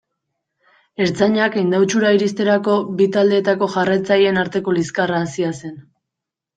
Ertzainak Indautxura iristerako, bi taldeetako jarraitzaileen arteko liskarra hasia zen.